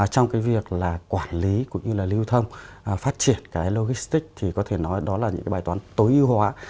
trong cái việc là quản lý cũng như là lưu thông phát triển cái logistic thì có thể nói đó là những cái bài toán tối ưu hóa